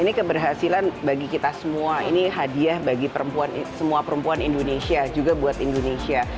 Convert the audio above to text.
ini keberhasilan bagi kita semua ini hadiah bagi perempuan semua perempuan indonesia juga buat indonesia